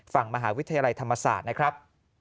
ฝั่งมหาวิทยาลัยธรรมศาสตร์นะครับ